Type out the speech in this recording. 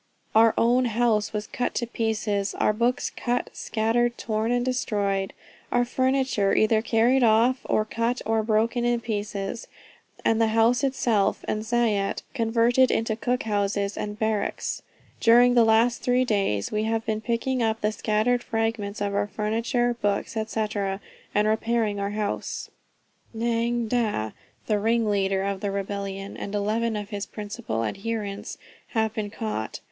Our own house was cut to pieces, our books cut scattered, torn and destroyed; our furniture either carried off, or cut, or broken in pieces, and the house itself and zayat converted into cook houses and barracks. During the last three days, we have been picking up the scattered fragments of our furniture, books, &c. and repairing our house. "Nga Dah, the ringleader of the rebellion, and eleven of his principal adherents, have been caught.